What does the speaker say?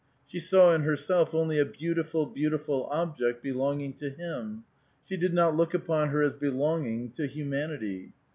She saw in herself only a beautiful, beautiful object, belong ing to him; she did not look upon her as belonging to humanity.